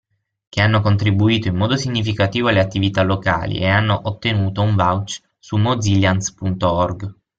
Che hanno contribuito in modo significativo alle attività Locali e hanno ottenuto un "vouch" su mozillians.org.